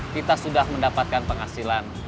kita sudah mendapatkan penghasilan